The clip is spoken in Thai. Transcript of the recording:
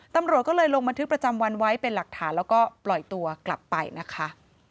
ตำรวจก็เลยลงบันทึกประจำวันไว้เป็นหลักฐานแล้วก็ปล่อยตัวกลับไปนะคะ